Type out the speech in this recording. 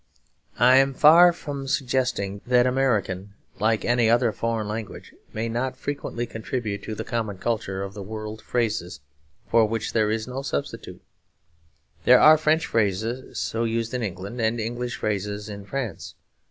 I am far from suggesting that American, like any other foreign language, may not frequently contribute to the common culture of the world phrases for which there is no substitute; there are French phrases so used in England and English phrases in France.